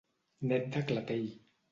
Net de clatell.